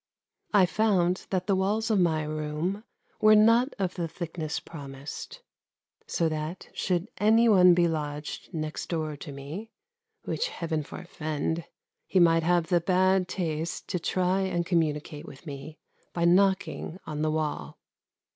I found that the walls of my room were not of the thickness promised, so that, should any one be lodged next door to me, which Heaven forfend! he might have the bad taste to try and communicate with me by knocking on the wall.